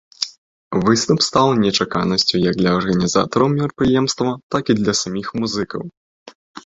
Выступ стаў нечаканасцю як для арганізатараў мерапрыемства, так і для саміх музыкаў.